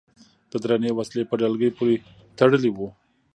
د درنې وسلې په ډلګۍ پورې تړلي و.